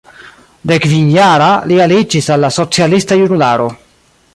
Dekkvin-jara, li aliĝis al la socialista Junularo.